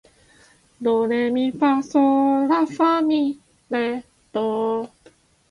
ドレミファソーラファ、ミ、レ、ドー